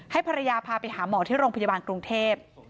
ภรรยาพาไปหาหมอที่โรงพยาบาลกรุงเทพ